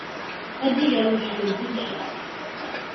Ar d-iger wajdim timceḍt.